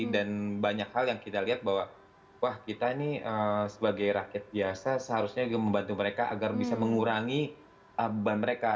dan banyak hal yang kita lihat bahwa kita ini sebagai rakyat biasa seharusnya membantu mereka agar bisa mengurangi bahan mereka